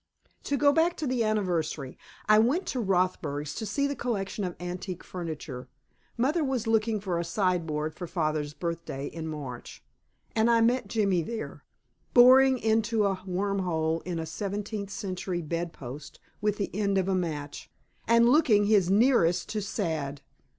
To go back to the anniversary, I went to Rothberg's to see the collection of antique furniture mother was looking for a sideboard for father's birthday in March and I met Jimmy there, boring into a worm hole in a seventeenth century bedpost with the end of a match, and looking his nearest to sad.